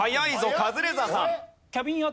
カズレーザーさん。